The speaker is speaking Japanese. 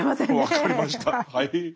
分かりましたはい。